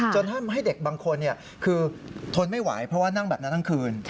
ทำให้เด็กบางคนคือทนไม่ไหวเพราะว่านั่งแบบนั้นทั้งคืน